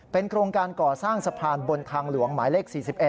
โครงการก่อสร้างสะพานบนทางหลวงหมายเลข๔๑